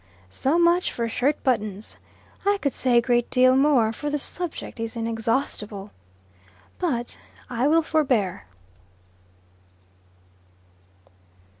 So much for shirt buttons. I could say a great deal more, for the subject is inexhaustible. But I will forbear.